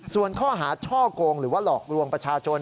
ส่วนข้อหาช่อกงหรือว่าหลอกลวงประชาชน